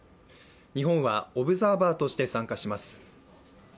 日本はオブザーバーとして参加します。